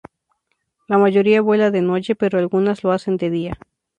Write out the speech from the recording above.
La mayoría vuela de noche pero algunas lo hacen de día.